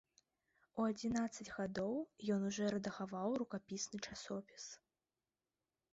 У адзінаццаць гадоў ён ужо рэдагаваў рукапісны часопіс.